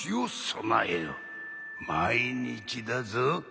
毎日だぞ？